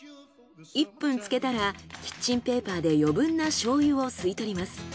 １分漬けたらキッチンペーパーで余分な醤油を吸い取ります。